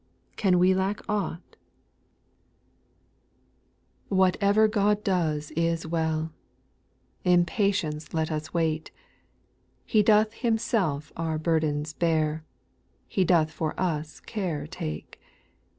— Can we lack aught ? 6. Whatever God does is well I In patience let us wait : He doth Himself our burdens bear, He doth for us take care.